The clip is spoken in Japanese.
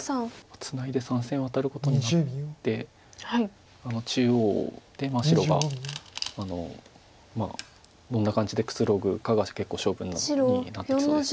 ツナいで３線ワタることになって中央で白がどんな感じでくつろぐかが結構勝負になってきそうです。